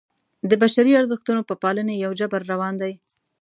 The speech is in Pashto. د بشري ارزښتونو په پالنې یو جبر روان دی.